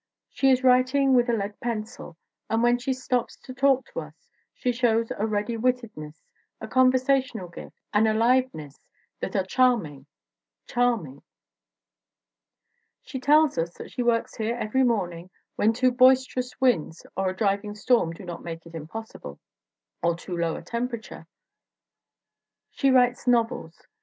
She is writing with a lead pencil and when she stops to talk to us she shows a ready wittedness, a conversational gift, an aliveness that are charming charming! She tells us that she works here every morning when too boisterous winds or a driving storm do not make it impossible; or too low a temperature. She writes novels.